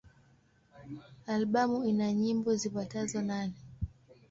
Albamu ina nyimbo zipatazo nane.